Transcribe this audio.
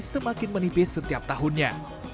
semakin menipis setiap tahunnya